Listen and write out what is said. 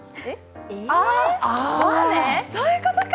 そういうことか！